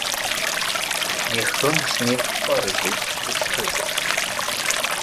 Ніхто не смів пари з уст пустити.